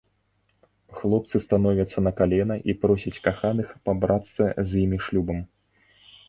Хлопцы становяцца на калена і просяць каханых пабрацца з імі шлюбам!